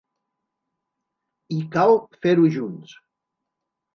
I cal fer-ho junts.